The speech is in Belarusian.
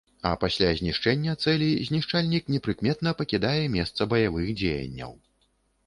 А пасля знішчэння цэлі знішчальнік непрыкметна пакідае месца баявых дзеянняў.